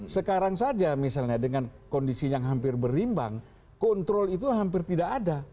sekarang saja misalnya dengan kondisi yang hampir berimbang kontrol itu hampir tidak ada